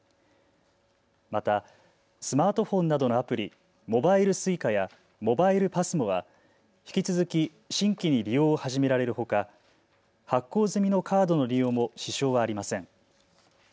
またスマートフォンなどのアプリ、モバイルＳｕｉｃａやモバイルＰＡＳＭＯは、引き続き新規に利用を始められるほか発行済みのカードの利用も支障はありません。